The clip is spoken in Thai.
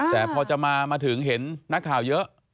แต่พอจะมาถึงเห็นนักข่าวเยอะ